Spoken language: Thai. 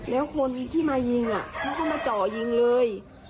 แล้วคนที่มายิงเขาก็มาเจาะยิงเลย